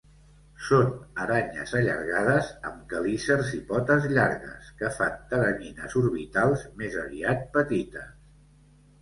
Són aranyes allargades amb quelícers i potes llargues, que fan teranyines orbitals més aviat petites.